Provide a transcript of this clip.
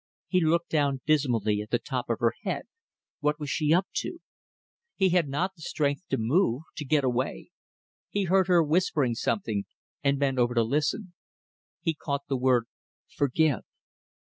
He looked down dismally at the top of her head. What was she up to? He had not the strength to move to get away. He heard her whispering something, and bent over to listen. He caught the word "Forgive."